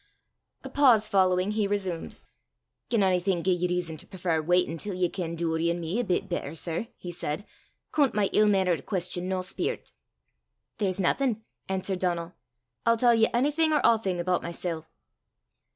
A pause following, he resumed: "Gien onything gie ye reason to prefar waitin' till ye ken Doory an' me a bit better, sir," he said, "coont my ill mainnert queston no speirt." "There's naething," answered Donal. "I'll tell ye onything or a'thing aboot mysel'."